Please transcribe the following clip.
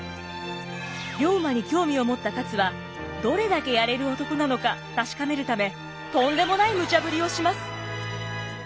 龍馬に興味を持った勝はどれだけやれる男なのか確かめるためとんでもないムチャぶりをします。